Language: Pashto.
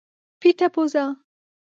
پیته پزه